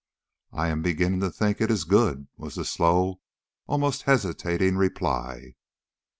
"I am beginning to think it is good," was the slow, almost hesitating, reply.